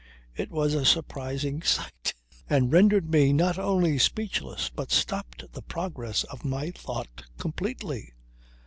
It was a surprising sight, and rendered me not only speechless but stopped the progress of my thought completely.